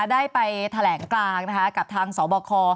ได้ไปแถลงกลางกับทางสบค